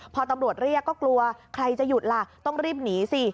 พอตำรวจเรียกก็กลัวใครจะหยุดล่ะต้องรีบหนีสิ